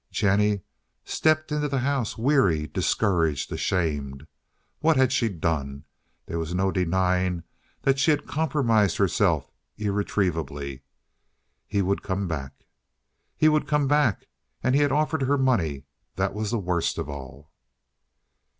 Jennie stepped into the house weary, discouraged, ashamed. What had she done? There was no denying that she had compromised herself irretrievably. He would come back. He would come back. And he had offered her money. That was the worst of all.